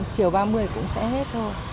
chiều ba mươi cũng sẽ hết thôi